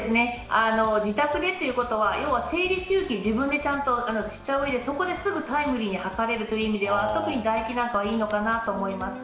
自宅でということは要は、生理周期を自分でちゃんと知ったうえですぐタイムリーに測れるという意味では唾液なんかはいいのかなと思います。